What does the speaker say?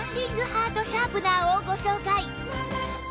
ハートシャープナーをご紹介